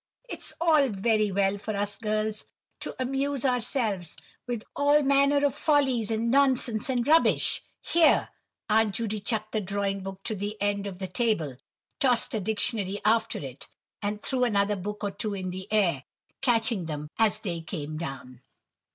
It's all very well for us girls to amuse ourselves with all manner of follies, and nonsense, and rubbish;" here Aunt Judy chucked the drawing book to the end of the table, tossed a dictionary after it, and threw another book or two into the air, catching them as they came down.